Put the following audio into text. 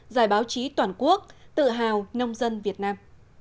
giải báo chí toàn quốc tự hào nông dân việt nam